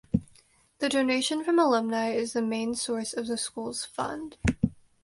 The donation from alumni is the main source of the school’s fund.